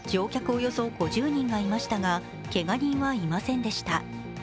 およそ５０人がいましたが、けが人はいませんでした。